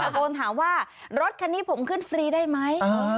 โกนถามว่ารถคันนี้ผมขึ้นฟรีได้ไหม